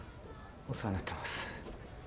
お世話になってます。